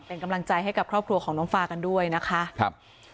เป็นกำลังใจให้กับครอบครัวของน้องฟากันด้วยนะคะครับ